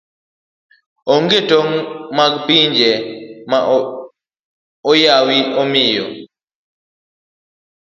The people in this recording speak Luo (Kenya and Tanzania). Onge tong' mag pinje ma oyawi omiyo